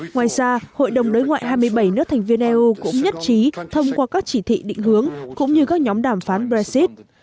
ngoài ra hội đồng đối ngoại hai mươi bảy nước thành viên eu cũng nhất trí thông qua các chỉ thị định hướng cũng như các nhóm đàm phán brexit